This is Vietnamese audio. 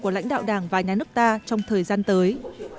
của lãnh đạo đảng và nhà nước ta trong thời gian tới